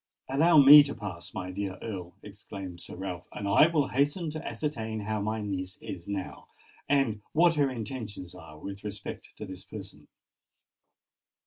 "Allow me to pass, my dear Earl," exclaimed Sir Ralph; "and I will hasten to ascertain how my niece is now, and what her intentions are with respect to this person."